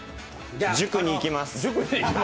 塾に行きます。